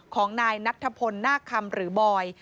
ของนายนัทธพนธ์หน้าคำหรือบอย